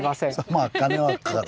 まあ金はかかる。